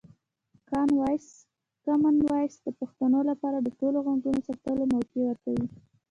کامن وایس د پښتو لپاره د ټولو غږونو ثبتولو موقع ورکوي.